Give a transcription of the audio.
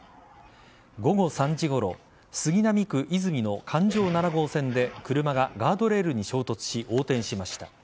午後３時ごろ杉並区和泉の環状７号線で車がガードレールに衝突し横転しました。